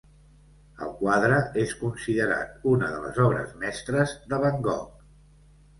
El quadre és considerat una de les obres mestres de Van Gogh.